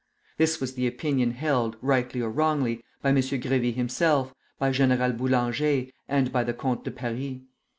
This was the opinion held (rightly or wrongly) by M. Grévy himself, by General Boulanger, and by the Comte de Paris.